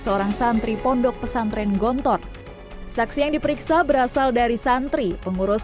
seorang santri pondok pesantren gontor saksi yang diperiksa berasal dari santri pengurus